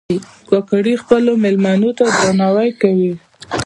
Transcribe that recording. کاکړي خپلو مېلمنو ته درناوی کوي.